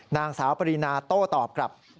นางสาวปรินาโต้ตอบกลับ